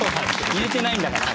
入れてないんだから。